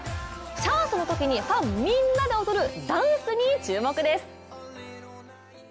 チャンスの時にファンみんなで踊るダンスに注目です。